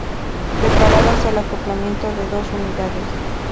Preparadas el acoplamiento de dos unidades.